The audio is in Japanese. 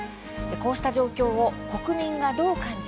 こうした状況を国民がどう感じ